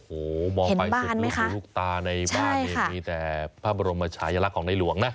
โอ้โหเห็นบ้านไหมคะโอ้โหเห็นลูกตาในบ้านนี้แต่พระบรมชายลักษณ์ของในหลวงนะ